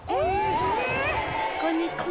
こんにちは。